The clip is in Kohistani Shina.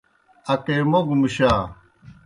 اکیموگوْ مُشا۔